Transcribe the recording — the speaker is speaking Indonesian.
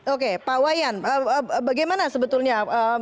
oke pak wayan bagaimana sebetulnya